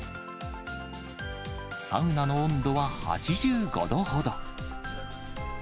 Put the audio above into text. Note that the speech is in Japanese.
サウナの温度は８５度ほど。